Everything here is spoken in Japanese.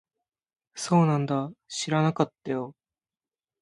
そうなんだ。知らなかったよ。